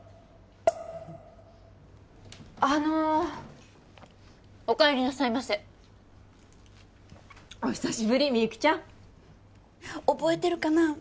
あのお帰りなさいませお久しぶりみゆきちゃん覚えてるかな？